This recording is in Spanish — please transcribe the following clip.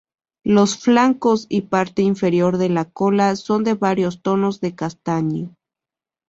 Los flancos y parte inferior de la cola son de varios tonos de castaño.